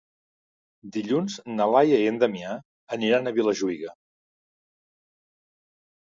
Dilluns na Laia i en Damià aniran a Vilajuïga.